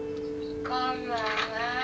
こんばんは。